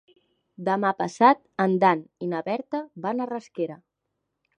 Demà passat en Dan i na Berta van a Rasquera.